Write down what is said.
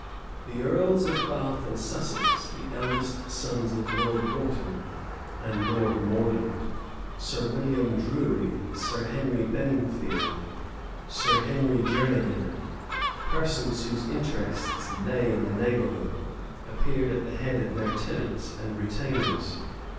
The earls of Bath and Sussex, the eldest sons of Lord Wharton and Lord Mordaunt, Sir William Drury, Sir Henry Benningfield, Sir Henry Jernegan, persons whose interest lay in the neighborhood, appeared at the head of their tenants and retainers.